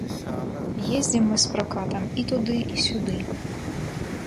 Ездзім мы з пракатам і туды, і сюды.